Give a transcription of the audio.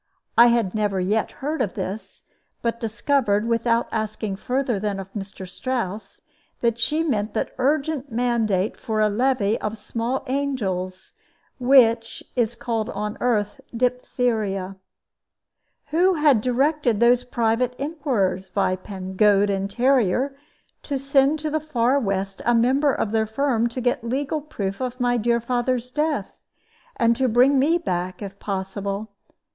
I had never yet heard of this, but discovered, without asking further than of Mr. Strouss, that she meant that urgent mandate for a levy of small angels which is called on earth "diphtheria." Who had directed those private inquirers, Vypan, Goad, and Terryer, to send to the far West a member of their firm to get legal proof of my dear father's death, and to bring me back, if possible?